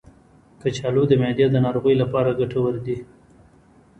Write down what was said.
کچالو د معدې د ناروغیو لپاره ګټور دی.